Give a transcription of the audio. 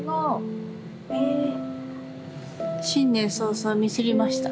新年早々ミスりました。